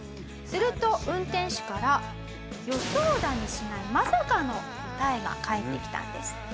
すると運転手から予想だにしないまさかの答えが返ってきたんです。